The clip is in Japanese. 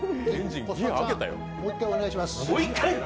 もう一回、お願いします。